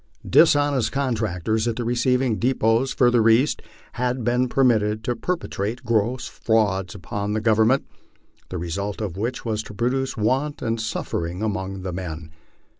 Dishonest contractors at the receiving depots further east had been per mitted to perpetrate gross frauds upon the Government, the result of which was to produce want and suffering among the men.